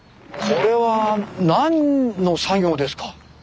これは何の作業ですか？